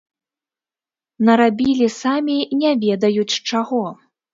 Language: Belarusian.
Нарабілі самі не ведаюць чаго.